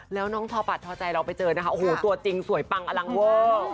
แล้วน้องทอปาดทอใจเราไปเจอนะคะตัวจริงสวยปังอารางเวิร์ด